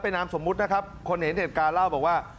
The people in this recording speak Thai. นามสมมุตินะครับคนเห็นเหตุการณ์เล่าบอกว่า